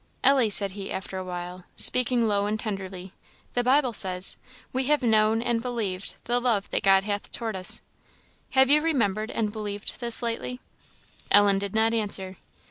"Ellie," said he after a while, speaking low and tenderly, "the Bible says, 'We have known and believed the love that God hath towards us;' have you remembered and believed this lately?" Ellen did not answer.